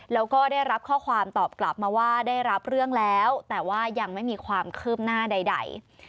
แล้วก็ได้รับข้อความตอบกลับมาว่าได้รับเรื่องแล้วแต่ว่ายังไม่มีความคืบหน้าใด